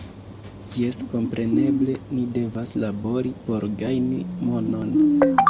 Jes kompreneble ni devas labori por gajni monon